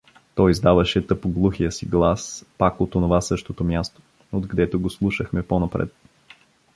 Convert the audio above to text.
Той издаваше тъпоглухия си глас пак от онова същото място, отгдето го слушахме по-напред.